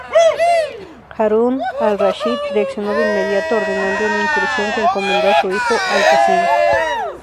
Harún al-Rashid reaccionó de inmediato, ordenando una incursión que encomendó a su hijo al-Qasim.